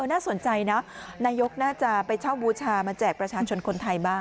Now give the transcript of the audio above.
น่าสนใจนะนายกน่าจะไปเช่าบูชามาแจกประชาชนคนไทยบ้าง